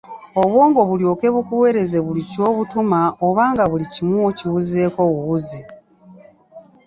Obwongo bulyoke bukuweereze buli ky’obutuma oba nga buli kimu okiwuzeeko buwuzi .